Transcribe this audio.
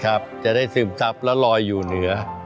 จะได้ซึมซับแล้วลอยอยู่เหนือ